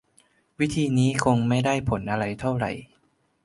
วิธีนี้คงไม่ได้ผลอะไรเท่าไหร่